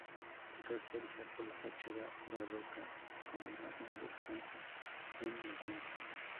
Se caracteriza por la fachada barroca, con la imagen del santo en el centro.